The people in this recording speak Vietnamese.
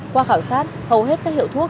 qua khảo sát hầu hết các hiệu thuốc